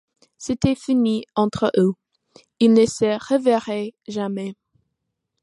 C'était fini entre eux, ils ne se reverraient jamais.